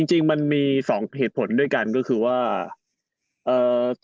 จริงจริงมันมีสองเหตุผลด้วยกันก็คือว่าเอ่อ